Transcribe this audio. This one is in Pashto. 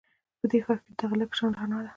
په دې ښار کې دغه لږه شان رڼا ده